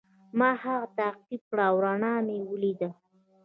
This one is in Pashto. ما هغه تعقیب کړ او رڼا مې ولیده.